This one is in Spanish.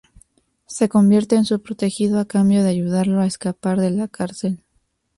Se convierte en su protegido a cambio de ayudarlo a escapar de la cárcel.